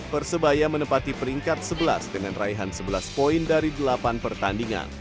persebaya menempati peringkat sebelas dengan raihan sebelas poin dari delapan pertandingan